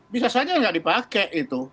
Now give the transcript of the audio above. bisa saja nggak dipakai gitu